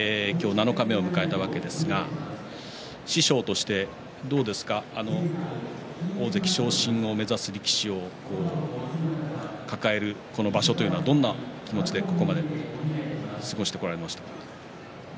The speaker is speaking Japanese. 七日目を迎えたわけですが師匠としてどうですか大関昇進を目指す力士を抱えるこの場所というのはどんな気持ちで、ここまで過ごしてこられましたか。